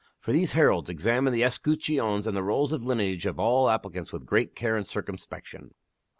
For these heralds examined the es cutcheons and the rolls of lineage of all applicants with great care and cir cumspection.